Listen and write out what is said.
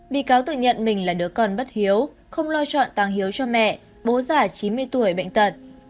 bị cáo tự nhận mình là đứa con bất hiếu không lo chọn tàng hiếu cho mẹ bố già chín mươi tuổi bệnh tật